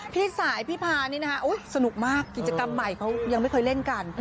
พี่สายพี่พานี่นะคะสนุกมากกิจกรรมใหม่เขายังไม่เคยเล่นกัน